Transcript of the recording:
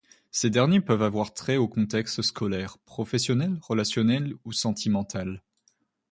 Ces derniers peuvent avoir trait au contexte scolaire, professionnel, relationnel ou sentimental.